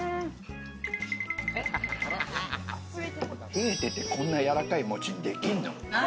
冷えてて、こんなやわらかい餅できんの？